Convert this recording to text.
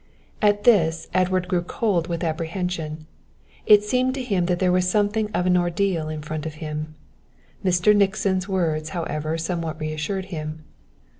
At this Edward grew cold with apprehension. It seemed to him that there was something of an ordeal in front of him. Mr. Nixon's first words, however, somewhat reassured him.